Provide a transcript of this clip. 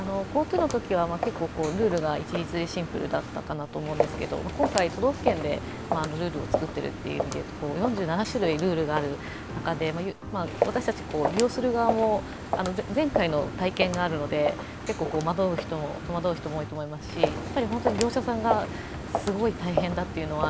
ＧｏＴｏのときは結構ルールが一律でシンプルだったかなと思うんですけれども今回、都道府県でルールを作っているということで４７種類ルールがある中で、私たち利用する側も、前回の体験があるので結構戸惑う人も多いと思いますし、業者さんがすごい大変だというのは